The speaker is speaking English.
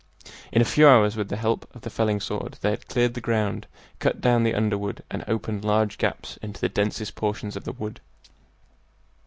In a few hours, with the help of the felling sword, they had cleared the ground, cut down the underwood, and opened large gaps into the densest portions of the wood.